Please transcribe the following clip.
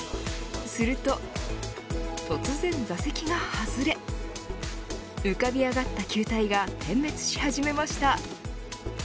すると、突然座席が外れ浮かび上がった球体が点滅し始めました。